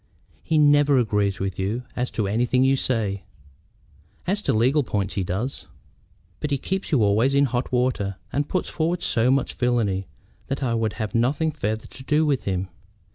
He never agrees with you as to anything you say." "As to legal points he does." "But he keeps you always in hot water, and puts forward so much villany that I would have nothing farther to do with him.